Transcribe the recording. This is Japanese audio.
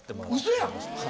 嘘やん！